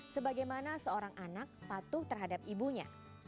sebagaimana seorang anak patuh terhadap ibunya